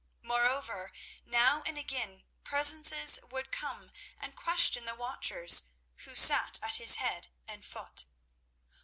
Moreover, now and again presences would come and question the watchers who sat at his head and foot.